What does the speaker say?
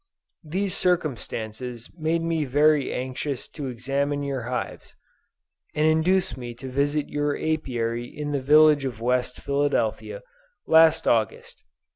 These circumstances made me very anxious to examine your hives, and induced me to visit your Apiary in the village of West Philadelphia, last August.